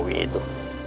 ah kau itu